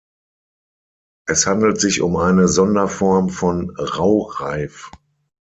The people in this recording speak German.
Es handelt sich um eine Sonderform von Raureif.